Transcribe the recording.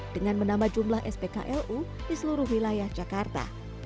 dengan menambah jumlah spklu di seluruh wilayah jakarta